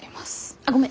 あっごめん。